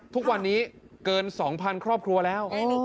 ทุกวันนี้เกิน๒๐๐๐ครอบครัวแล้ว